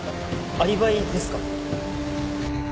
アリバイですか？